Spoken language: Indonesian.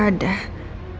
kalau rena gak ada